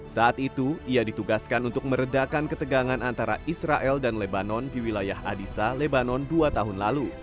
saat itu ia ditugaskan untuk meredakan ketegangan antara israel dan lebanon di wilayah adisa lebanon dua tahun lalu